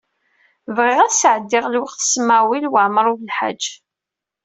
Bɣiɣ ad sɛeddiɣ lweqt d Smawil Waɛmaṛ U Belḥaǧ.